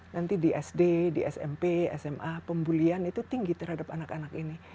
nanti di sd di smp sma pembulian itu tinggi terhadap anak anak ini